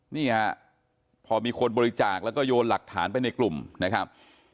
นี่ฮะพอมีคนบริจาคแล้วก็โยนหลักฐานไปในกลุ่มนะครับ